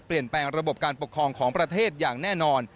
เปลี่ยนแปลงระบบการปกครองของประเทศอย่างแน่นอน